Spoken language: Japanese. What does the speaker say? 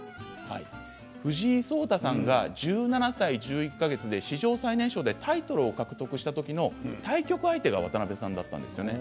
藤井聡太さんが１７歳１１か月で史上最年少でタイトルを獲得した時の対局相手が渡辺さんだったんですよね。